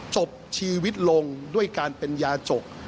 จบชีวิตลงด้วยการเป็นยาจก